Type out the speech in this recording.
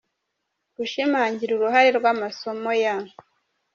gushimangira uruhare rw’amasomo ya.